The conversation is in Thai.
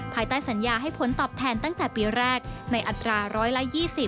ภายใต้สัญญาให้ผลตอบแทนตั้งแต่ปีแรกในอัตรา๑๒๐